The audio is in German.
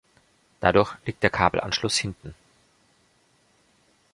Dadurch liegt der Kabelanschluss hinten.